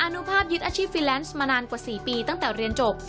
นุภาพยึดอาชีพฟีแลนซ์มานานกว่า๔ปีตั้งแต่เรียนจบ